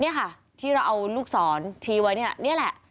นี่ค่ะที่เราเอาลูกศรทีไว้นี่แหละ